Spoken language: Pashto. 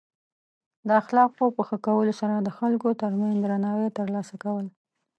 د اخلاقو په ښه کولو سره د خلکو ترمنځ درناوی ترلاسه کول.